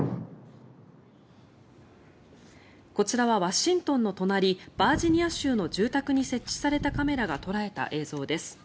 こちらはワシントンの隣バージニア州の住宅に設置されたカメラが捉えた映像です。